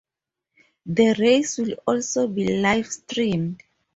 The races will also be live streamed.